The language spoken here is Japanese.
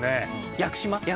屋久島！